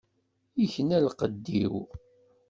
Ikna lqedd-iw.